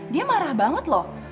dia marah banget loh